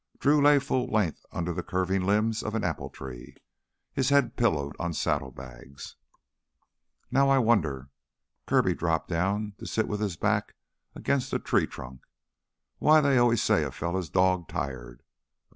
Drew lay full length under the curving limbs of an apple tree, his head pillowed on saddlebags. "Now I wonder" Kirby dropped down, to sit with his back against the tree trunk "why they always say a fella is dog tired.